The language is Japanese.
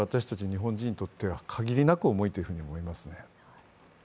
日本人にとっては限りなく重いと言えます。